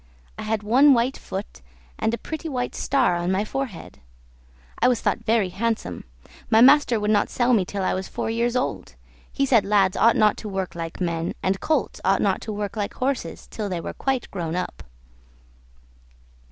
I had one white foot and a pretty white star on my forehead. I was thought very handsome; my master would not sell me till I was four years old; he said lads ought not to work like men, and colts ought not to work like horses till they were quite grown up.